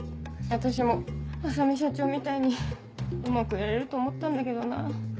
私も浅海社長みたいにうまくやれると思ったんだけどな。